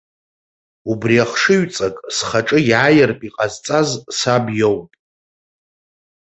Убри ахшыҩҵак схаҿы иааиртә иҟазҵаз саб иоуп.